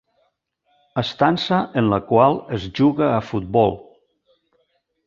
Estança en la qual es juga a futbol.